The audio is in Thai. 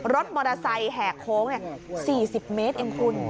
รถมอเตอร์ไซค์แหกโค้ง๔๐เมตรเองคุณ